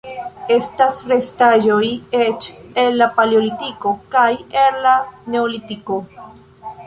Estas restaĵoj eĉ el la Paleolitiko kaj el la Neolitiko.